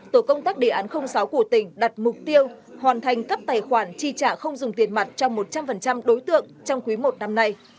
tổ công tác đề án sáu của tỉnh đặt mục tiêu hoàn thành cấp tài khoản tri trả không dùng tiền mặt cho một trăm linh đối tượng trong quý i năm nay